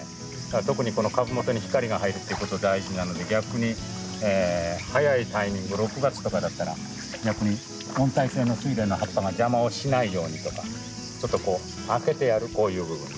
特にこの株元に光が入るっていうこと大事なので逆に早いタイミング６月とかだったら逆に温帯性のスイレンの葉っぱが邪魔をしないようにとかちょっと空けてやるこういうふうに。